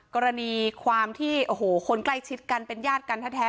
กรณีความที่โอ้โหคนใกล้ชิดกันเป็นญาติกันแท้